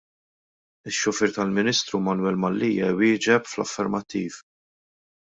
Ix-xufier tal-Ministru Manwel Mallia iwieġeb fl-affermattiv.